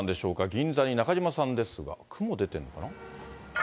銀座に中島さんですが、雲出てるのかな。